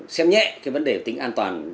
xem nhẹ cái vấn đề tính an toàn